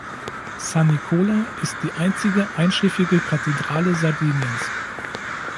San Nicola ist die einzige einschiffige Kathedrale Sardiniens.